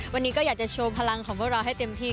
วันนี้ก็อยากจะโชว์พลังของพวกเราให้เต็มที่